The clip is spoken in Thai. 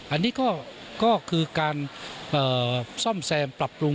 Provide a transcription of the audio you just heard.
อันนี้ก็คือการซ่อมแซมปรับปรุง